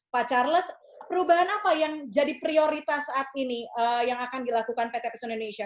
pak charles perubahan apa yang jadi prioritas saat ini yang akan dilakukan pt pos indonesia